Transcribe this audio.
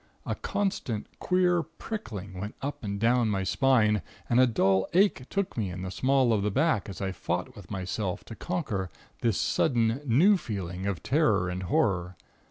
A constant, queer prickling went up and down my spine, and a dull ache took me in the small of the back, as I fought with myself to conquer this sudden new feeling of terror and horror.